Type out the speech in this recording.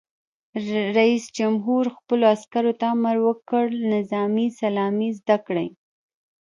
رئیس جمهور خپلو عسکرو ته امر وکړ؛ نظامي سلامي زده کړئ!